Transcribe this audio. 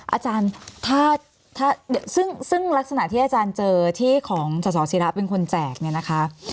อาจารย์ถ้าซึ่งลักษณะที่อาจารย์เจอที่ของสสิระเป็นคนแจกเนี่ยนะคะ